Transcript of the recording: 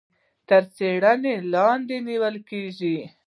تر څيړنې لاندي نيول کېږي.